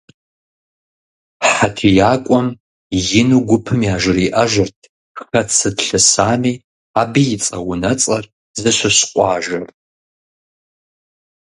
ХьэтиякӀуэм ину гупым яжриӀэжырт хэт сыт лъысами, абы и цӀэ-унуэцӀэр, зыщыщ къуажэр.